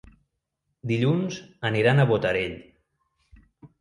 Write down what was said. Dilluns aniran a Botarell.